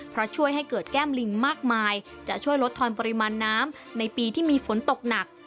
เพราะช่วยให้เกิดแก้มลิงมากมายจะช่วยลดทอนปริมาณน้ำในปีที่มีฝนตกหนัก